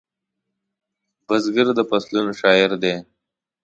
بزګر د فصلونو شاعر دی